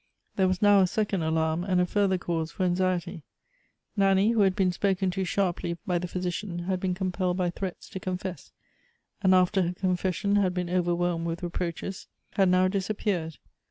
There was now a second alarm, and a further cause for anxiety. Nanny, who had been spoken to sharply by the physician, had been compelled by threats to confess, and after her confession had been overwhelmed with re proaches, had now disappeared.